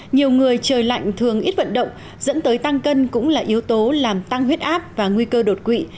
nhiều người trời lạnh thường ít vận động dẫn tới tăng cân cũng là yếu tố làm tăng huyết áp và nguy cơ đột quỵ